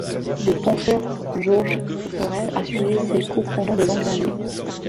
Le penseur Georges Sorel a suivi ses cours pendant de longues années.